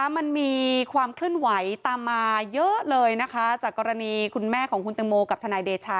มันมีความเคลื่อนไหวตามมาเยอะเลยนะคะจากกรณีคุณแม่ของคุณตังโมกับทนายเดชา